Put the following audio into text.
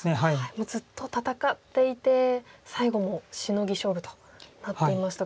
もうずっと戦っていて最後もシノギ勝負となっていましたが。